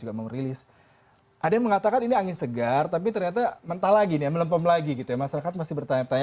ada yang mengatakan ini angin segar tapi ternyata mentah lagi melempam lagi masyarakat masih bertanya tanya